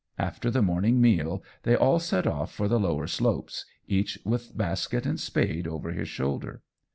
After the morning meal they all set off for the lower slopes, each with basket and spade over his shoulder.